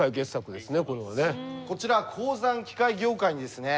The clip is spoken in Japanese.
こちら鉱山機械業界にですね